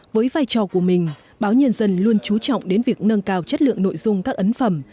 với vai trò của mình báo nhân dân luôn trú trọng đến việc nâng cao chất lượng nội dung các ấn phẩm